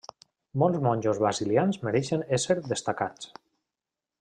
Molts monjos basilians mereixen ésser destacats.